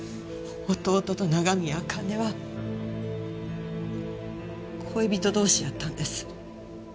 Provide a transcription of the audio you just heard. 弟と長宮茜は恋人同士やったんです。